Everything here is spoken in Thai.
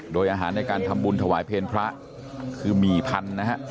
โดยอาหารในการทำบุญถวายเพลงพระคือหมี่พันธุ์นะฮะ